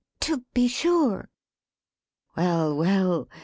To be sure!" Well, well!